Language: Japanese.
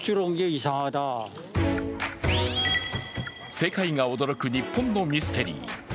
世界が驚く日本のミステリー。